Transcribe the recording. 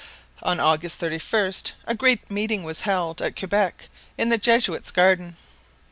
On August 31 a great meeting was held at Quebec in the Jesuits' garden.